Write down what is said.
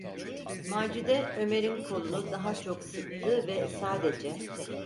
Macide Ömer’in kolunu daha çok sıktı ve sadece: